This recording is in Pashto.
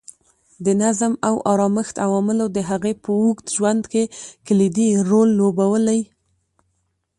د نظم او ارامښت عواملو د هغې په اوږد ژوند کې کلیدي رول لوبولی.